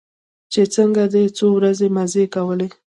چې څنگه دې څو ورځې مزې کولې.